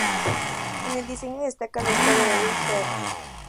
En el diseño destaca el vestuario de Edith Head.